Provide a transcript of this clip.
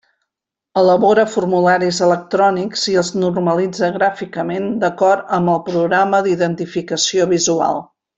Elabora formularis electrònics i els normalitza gràficament d'acord amb el Programa d'Identificació Visual.